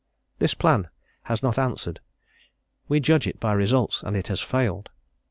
This plan has not answered: we judge it by results, and it has failed.